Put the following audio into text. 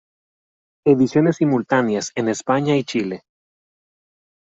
Ediciones simultáneas en España y Chile.